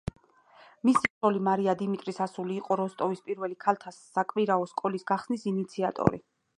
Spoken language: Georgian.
მისი ცოლი მარია დიმიტრის ასული იყო როსტოვის პირველი ქალთა საკვირაო სკოლის გახსნის ინიციატორი.